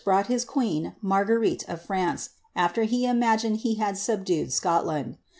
brought his queen, Murgucrite uf Fiance, after he imasinc^ he had subdued Scotland.